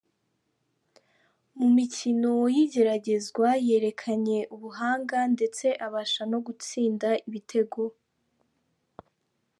Mu mikino y’igeragezwa, yerekanye ubuhanga, ndetse abasha no gutsinda ibitego.